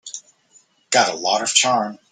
Got a lot of charm.